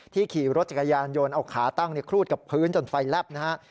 ขี่รถจักรยานยนต์เอาขาตั้งครูดกับพื้นจนไฟแลบนะฮะ